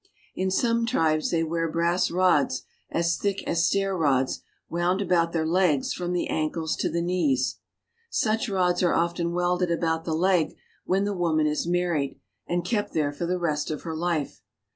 In some tribes they wear brass rods, as thick as stair rods, wound about their legs from the ankles to the knees. Such rods are often welded about the leg when the woman is married, and kept there for the rest of her life.